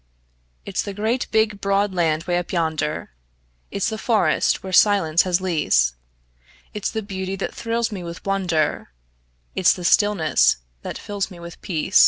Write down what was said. It's the great, big, broad land 'way up yonder, It's the forests where silence has lease; It's the beauty that thrills me with wonder, It's the stillness that fills me with peace.